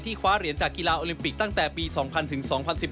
คว้าเหรียญจากกีฬาโอลิมปิกตั้งแต่ปี๒๐๐ถึง๒๐๑๘